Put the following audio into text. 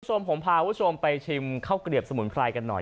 คุณผู้ชมผมพาคุณผู้ชมไปชิมข้าวเกลียบสมุนไพรกันหน่อย